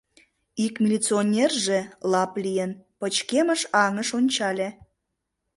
Ик милиционерже, лап лийын, пычкемыш аҥыш ончале.